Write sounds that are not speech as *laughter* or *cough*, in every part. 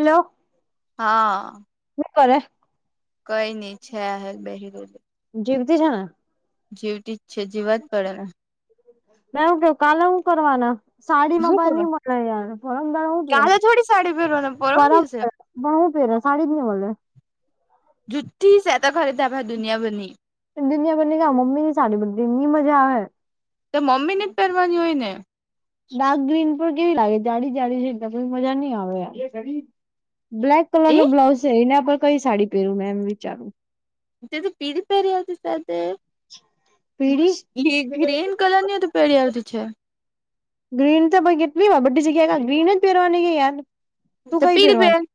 Hello હા હું કરે કઈ નઈ છે *inaudible* હ બરો જીવતી જાણા જીવતી જ છે જીવવા જ પડેને મે એવું કેવ કાલે હું કરવાના સાડી માં હું પણ કરું નહી મળે યાર પરમંગણા પે કાલે થોડી સાડી પહેરવાને પરમ પર દિવસે બહું સાડી દ જુઠી છેેતા ખરે ત ભાઈ દુનિયા બની દુનિયા બને ક મમ્મી ની સાડી બધી એની મજા આવે તો મમ્મી ને જ પહેરવાની હોય ને ડાર્ક ગ્રીન પર કેવી લાગે જાડી જાડી છે એ કોઈ મજા નહી આવે બ્લેક કલર એ નો બ્લાઉઝ સેરીને આપણે કઈ સાડી પહેરું ને એમ વિચારું જે તો પીધપર છે છે તે પીળી એ ગ્રીન કલર ની તો પેહરી આવતી છે ગ્રીન કેટલી બડી જગ્યા જ પહેરવાની કે યાર તું તો કઈ પીડી પેન પહેરવાની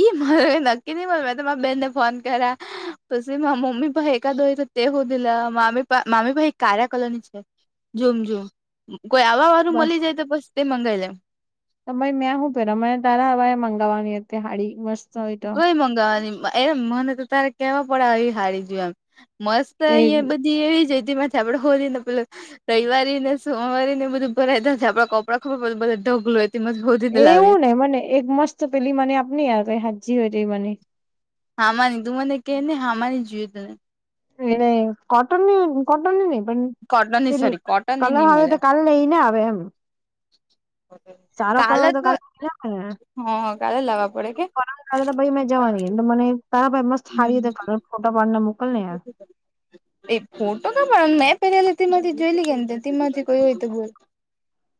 ઈ મારે નક્કી ની મળે બેનને ફોન કર્યા પછી મમ્મી પાઈ એકાદોરી તો તે હોદી દિલ મામી ભાઈ કાર્યા કલની છે જોમ જોમ કોઈ આવા વાળું બસ મળી જાય તો બસ તે મંગાવી લેમ ભાઈ મેં શું પેરા મને તારા હવા મંગાવવાની હતી હાડી મસ્ત હોય તો કોઈ મગાવવાની એમ મને તો તારે કેવા પડે આવી હારી જો એમ મસ્ત તે અહંયા બધી એવી જ હતી માંથી આપડે હોલીને પે રવિવારીને, સોમવારેને બધું ભરાયતા, આપણા કપડા ખુબ બધું બધા ઢગલો જ એવુંને, મને એક મસ્ત પેલી મને આપણી યાર કઈ હાચી વાત મને હામાની તું મનેકકે ને, હામાની જોયએ તને એ કોટનની, કોટનની નહી પણ કોટનની પેલી સોરી કોટનની કલા નહી આવે, મળે તો કાલે લઈને આવે એમ સારો કલર હોય, તો કાલે લઈ આવ હેને હહ કાલે લાવા પડે કે પરમ દિવસે મેં જવાની, મને તારા મસ્ત હારીતે ફોટો પાડીને મોકલને યાર એક ફોટો પાડ, મેં પેહરેલા તેમાંથી જોઈલે કે ને, તેમાંથી કોઈ હોય, તો બોલ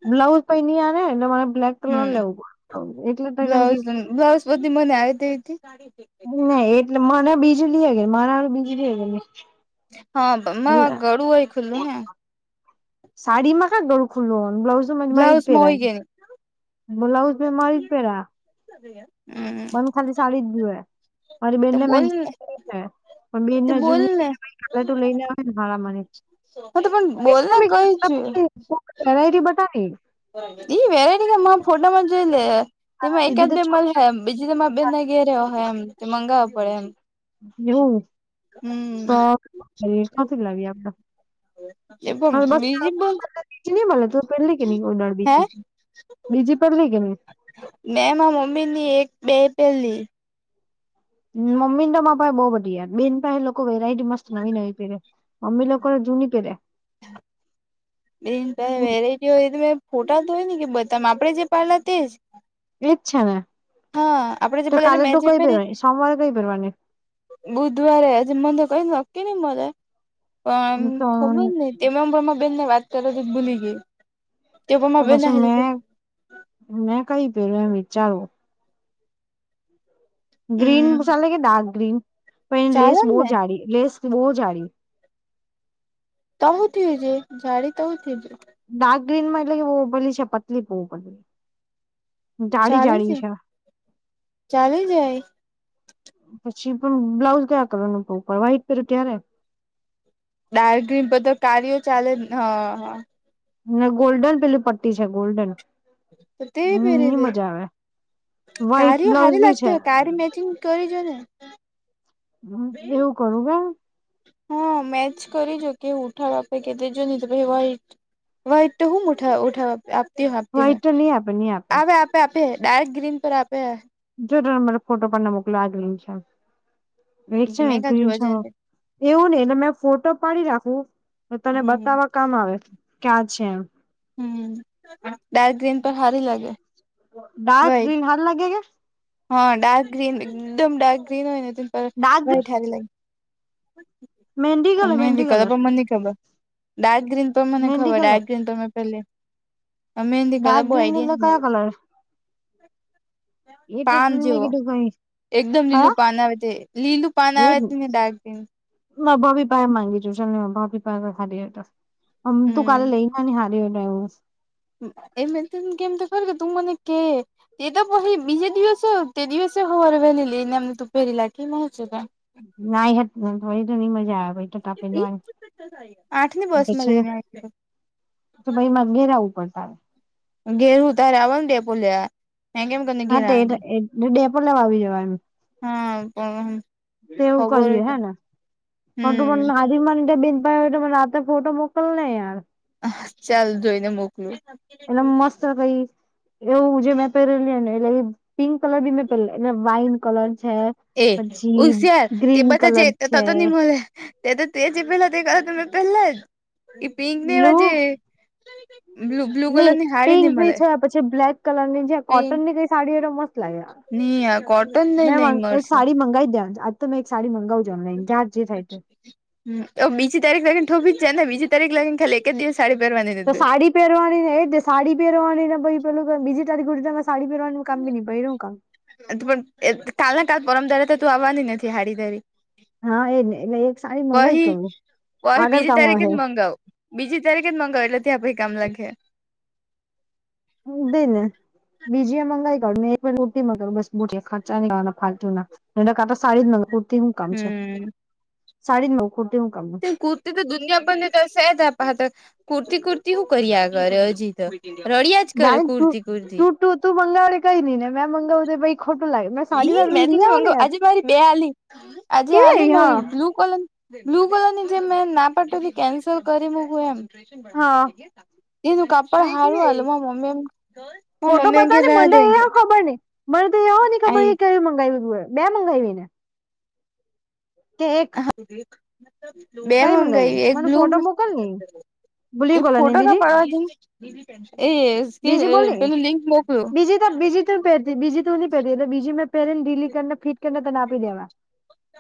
બ્લાઉઝ પહી નહીં આવે, મારે બ્લેક કલર લેવું પડે એટલે થને બસ સુધી મને આવી હતી. ના એટલે મને બીજળ હગે. મારા બીજળી હગેલી હા, બમ્મા ગળું હોય ખુલ્લું હે. સાડીમાં ક દોલ ખોલ હું બ્લાઉ મે વાઈટ બ્લાઉઝમાં પેહરા. હોય કે બ્લાઉઝ મારી જ પહેરા. *inaudible* પણ ખાલી સાાડી જ જોય મારી તો બેનને બોલ પણ ને બેન તે બોલ ને જુનીટું લઈને, હા તો પણ બોલ ને કઈ *unintelligible* આવેને મામાં છ *unintelligible* એ વેરાયટી કે ફોટામાં જોઈ લે તારા તેમાં દીદી એકાદ તો બે છો મલે હ બીજી તમે બે ના ઘેર હોય, એમ મંગાવો પડે એમ એવું? તો હમ કાથી લાવીએ આપણે એ પણ બીજી પણ બીજીની મળેલી, તું પહેરલી કે ની દહાડે હે બી બીજી પહેરલી કે ની? મેં મારા મમ્મી ની એક બે પેરલી મ્મીના પાસે બહુ બધી બેન પાય લોકો વેરાયટી મસ્ત નવી નવી પેરે. મમ્મી લોકો જૂની પેહરેે વીડિયો એટલે? ફોટા તો હોયને કે બધામાં આપણે પાડેલ તેજ અચ્છા. આપડે જે તો પેલા એટલે કાલે મેં તો જે કઈ પહેરી પેહવાની, સોમવારે તોઈ પહેરવાની? બુધવારે હજી મ તો કઈ નક્કી નઈ, મને પણ તો ખબર નહીં. એમમા બેનને વાત કરવાની ભૂલી ગઈ તે તો પણમા બેન પછી મેં, મેં કઈ પેહરુ એમ વિચારું *inaudible* ગ્રીન હમ ચાલે કે ડાર્ક ગ્રીન, પણ એની લેસ ચાલે બહુ ને જાડી લેસ, બહુ જાડી તો હ થયો જો જાડી તો હું થયો. ડાર્ક ગ્રીનમાં એટલે કે બહુ ઉપરલી છે પતલી બહુ પરલી જાડી જાડી છે. ચાલી જાય પછી પણ બ્લાઉઝ કયા કલરનું પેહરુ, વ્હાઈટ પેહરુ ત્યારે. ડાર્ક બધુ ચાલેને, હ હ ના ગોલ્ડન પેલી પટ્ટી છે, ગોલ્ડન તો હમ મજા આવે વ્હાઈટ કારીઓ બ્લાઉઝ સારી બી છે લાગતી હોય, કારી મેચિંગ કરીજો ને. હ. એવું કરું કે હા, મેચ કરીજો કે ઉઠા અાપે કે જો ની તો પછી વ્હાઈટ. વ્હાઈટ તો હું ઉઠાવ આપતી આપતી હોય. વ્હાઈટ તો નહી આપે નહી આપે આપેે ડાર્ક ગ્રીન પર આપે જો તમે મને ફોટો પણ મોકલા, આ ગ્રીન છે એક છે ને મેં કા ગ્રીન જોવા છે જ એવું નહ એને મેં ફોટો પાડી રાખવું તને હમ બતાવા કામ આવે કે આ છે એમ હમ ડાર્ક ગ્રીન પર હારી લાગે ડાર્ક વાઈટ ગ્રીન હારી લાગે કે હા ડાર્ક ગ્રીન એકદમ ડાર્ક ગ્રીન હોય ને તો ડાર્ક વાઇટ હારી લાગે મહેંદી કતા કલર મહેંદી *unintelligible* પણ્ કલર મનેની ખબર ડાર્ક ગ્રીન તો મને મહેંદી ખબર કલર ડાર્ક ગ્રીન પર મેં. પેરેલી ડારક ગ્રીન એટલે કયા મલે કલર એ તો પાન તને મેં જેવો કીધું કઈ એકદમ લીલું કયા પાન આવે તે લીલું પાન આવે છે ને ગ્રીન ના ભાભી પાાહે માંગીશું ચાલ ભાભી પાાય તો હાડી તો હમ તુ કાલે લઈને હારી હો ડ્રાઈવર એમ તો મેં કેમ તો ખરી તો તું મને કે એ તો પહિ બીજે દિવસે તે દિવસે હવારે વેલી લઈ ને આવત તું પેરીલે એમાં હુ છે ના હેડ થોડી તો મજા આવે ભહિ તો તાર પેરવાની આઠ ની બસ પછી જઈને તો ભાઈ મારે ઘેરાવું પડતા ઘરે હુ તારે આવનું ડેપો લેવા એમ *inaudible* હા તે ડેપો લેવા આવી જવા હા પણ તેવું ખબર હોય કરીયે તો હે ને પણ તું હમ મન બિનપાઈ મને *unintelligible* ફોટો મોકલ ને યાર હા ચાલ જોઈને મોકલું એટલે મસ્ત કઈ એવું જે મેં પહેરેલી ને એટલે પિંક કલર બી મેં પહેરે એટલે વાઇન કલર છે એ પછી ઉશિયાર તે ગ્રીન બધા જે કલર છે તો નહી મળે તે તો તે જે પેલા દેખા તે પેરેલા જ એ પિંક ને એવા જે બ્લુ બ્લુ કલર નઈ ની હાડી પિંક નહી ની મળે છે પછી બ્લેક કલર ની જે કોટન પિંક ની કઈ સાડીઓ મસ્ત લાગે નહી આ કોટન ની લઈ મેં મરશે એક સાડી મંગાવી દે આજ તો તમે એક મંગાઉજ જે થાય છે હ બીજી તારીખ લગી થોપી જાય ને બીજી તારીખ લગી ખાલી એક જ દિવસ સારી પેરવા દેને તો સાડી પહેરવાની ને એજ ને સાડી પહેરવાની ને પહી પેલું બીજી તારીખ સુધી સાડી કામ બી નહી કામ આ તો પણ કાલના કાલ પરમ દરા તો તું આવવાની નથી હારી પેરી હા એજ ને એટલે એક સાડી મંગાઈ જ પહી કરું પહી આગળ બીજી કામ તારીખે જ આવશે મગાવો બીજી તારીખ જ મગાવે એટલે ત્યાં પહિ કામ લાગે હેને બીજી એ મંગાવાઈ કાઢ એક વાર રોટી મગાવ બસ મુજે ખર્ચા ની કરવાના ફાલતુના નહીતો સારી જ માંગવું કૂરતી શું કામ છે હમ સાડીને મગાવ કરતી હું કામ છે કુર્તી તો દુનિયા પરની તો સે તાર પાહે કુર્તી કુર્તી શું કરીયા કરે આગળ હજી તો રડિયા જ કરે જાણે તું કુર્તી કુર્તી તું તું મંગાવડે કઈ નઈ ને મેં મંગાવ દે ભાઈ ખોટુ લાગે સાડી એઈ વાળું મેં તો લઈ નઈ આવો ને મંગા યાર આજે મારી બે આલી આજે કેવી આલી આવી હા મારી બ્લુ કલર બ્લુ કલર ની જે મે ના પાડ્યું કેન્સલ કરી મુકું એમ હા એ તું કાપડ મને કેવી હારું હાલે આવી માર મમી માર ફોટો મમ્મી એમ કે બતાવ ને રેવાદે મને એ કે ખબર નઈ મને તો એય ખબર આઈ એ કેવી મગાવીય બે મગાવી ને તે એક બે કઈ મંગાવી મગાઈ એક મને બ્લુ ફોટો મોકલ ને બ્લુ એક કલર ની ફોટો ન બીજી પડવો જોઈએ એ એસ બીજી *unintelligible* બોલની પેલું લિંક મોકલો બીજી તો બીજી તું પહેરતી બીજી તું ન પહેતી એટલે બીજી મેં પહેરીને ઢીલી કરી નાખી કે મેં તને આપી દેવા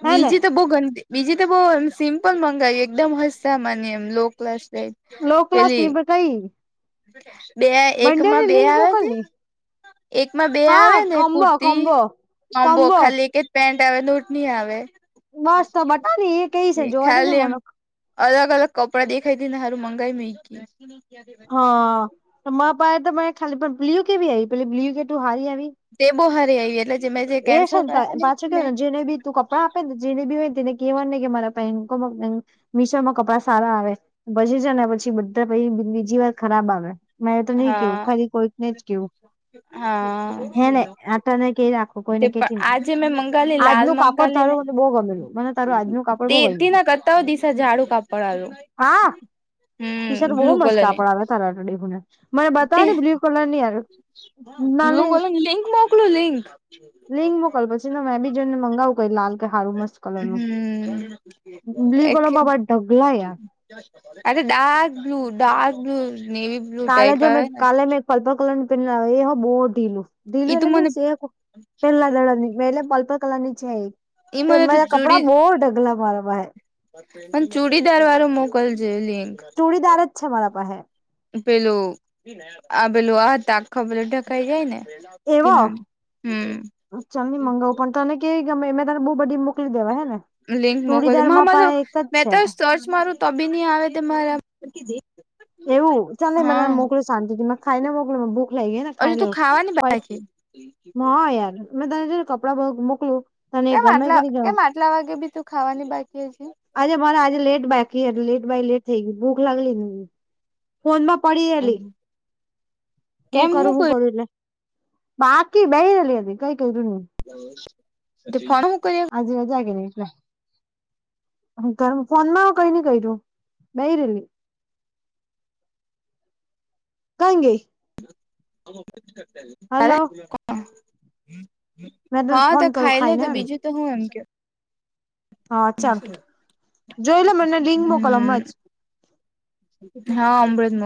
હે ને બીજી તો બહુ ગંદી બીજી તો બહુ એમ સિમ્પલ મંગાવ એકદમ હસતા મને એમ લો ક્લાસ લો ક્લાસ પેલી પણ કઈ બે એક માં બંનેની બે લિંક આવે તે મોકલની એકમાં બે હા આવે ને કોમ્બો કુર્તી કોમ્બો કોમ્બો ખાલી કે પેન્ટ આવે નોટની આવે બસ તો બટાની એ કઈ છે જોવા દે ને ખાલી એમ મને અલગ અલગ કપડા દેખાઈથી ને હારું મંગાઈ મે હા તમાર પાય તો મને ખાલી પણ બ્લ્યુ કેવી આવી પે બ્લ્યુ કેટું હારી આવી તે બહુ હારી આવી એટલે જે મેં જે એ કેન્સલ શું થાય કરાવેલી પાછું હતી કેય ને જેને બી તું કપડાં આપે ને જેને બી હોય ને તેને કેવા નું નહી કે મારા ભાઈ ને કો મંગાઈ મીશોમાં કપડા સારા આવે ભજી જ ને પછી બધા બીજી વાર ખરાબ આવે મે તો નહી કેવું હા ખાલી કોઈકને જ કેવું હા હે ને આટને કેરા કોઈને તે કેતી પણ ના આજે મેં મંગાલી લાલ આજનું કાપડ મંગાલી ને તારું મને બહુ ગમેલું મને તારું આજનું કાપડ બહુ ગમયુ ત દિશા ઝાડુ કાપડવાળું ટી શર્ટ બહુ મસ્ત કાપડ આવ્યો તારા ડેહુ ને મને બતાવ તે ને બ્લુ કલર ની આવ્યો બ્લુ નાની કલર લિંક મોક લું લિંક લિંક મોકલ પછીને મેં બી જોઈને મંગાવું કઈ લાલ હારું મસ્ત કલર નું હમ બ્લુ કલર મારા પાયે ઢગલો યાર અરે dark blue dark blue navy blue કાલે ટાઈપ જો આવે મેં ને કાલે મેં એક પર્પલ કલર ની પહેરી ને આવી એ મને બહુ ઢીલું ઢીલુ છે ઈ તો એટલે મને મીન્સ પેલા દડાની એટલે પલ્પલ કલર ની છે ઈ મેં મને તો મારા કપડા બહુ ઢગલા મારા પાયે અને ચુડીદાર વાળું મોકલજે લિંક ચોરીદાર જ છે મારા પાયે પેલું આ પેલું આ હતા આખા પેલું આ *unintelligible* થઈ જાય ને એવો કેમાં હમ્મ. ચાલ ની મંગાવું પણ તને કેવી ગમે મે તને બહુ બધી મોકલી દેવા હે ને લિંક મોકલજે ન ચુડીદારમાં મળ્યો પણ એક જ મે તો છે સર્ચ મારું તો ભી નહીં આવે તો તમારા, એવું ચાલને મે તને મોકલ શાંતિથી મે ખાઈને મોકલું બધું, લઈ ગયાને હજુ ખાઈ તું લેવું ખાવાની બાકી પહા યાર મેં તને જો કપડા મોકલું. તને કેમ ગમે આટલા કે નહી ગમે કેમ આટલા વાગે ભીતું ખાવાની બાકી હશે. આજે મારા આજે લેટ બેઠી લેટ બાયલેટ થઈ ગઈ ભૂખ લાગલી હતી, મને ફોનમાં પડી એલી હું કરું શું કરું એટલે, બાકી બેરલી અ કંઈ કર્યું નહીં, તો ભાણું કહી હક, આજે જાગે એટલે, તમે ફોનમાં કંઈ નહીં કર્યું બેય રેઈ, કાંઈ નહીં. અરે હલો કોણ, મેં તને ફોન હાતો કરું ખાઈ ખાઈને લોતો, હેને બીજું તો હું એમ કેવ. હા ચાલ જોઇલે મને રીંગનો કલર મોચ. હમ હા અમરેતનો.